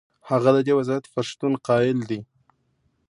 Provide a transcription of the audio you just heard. هغه د دې وضعیت پر شتون قایل دی.